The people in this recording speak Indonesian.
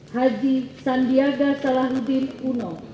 haji sandiaga salahuddin uno